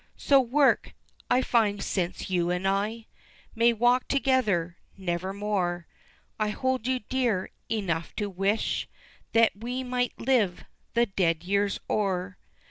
So work, I find since you and I May walk together nevermore, I hold you dear enough to wish That we might live the dead years o'er.